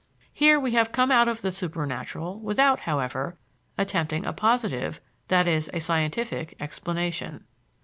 Here we have come out of the supernatural without, however, attempting a positive (i.e., a scientific) explanation.